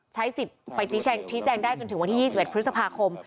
ใช้สิทธิ์ไปชี้แจงได้จนถึงวันที่๒๑พฤษภาคม